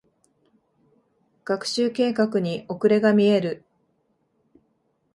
学習計画に遅れが見える。